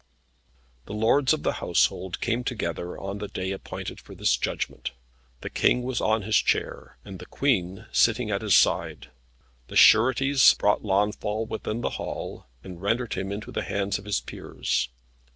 The lords of the household came together on the day appointed for this judgment. The King was on his chair, with the Queen sitting at his side. The sureties brought Launfal within the hall, and rendered him into the hands of his peers.